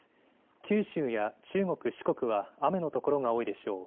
九州や中国、四国は雨の所が多いでしょう。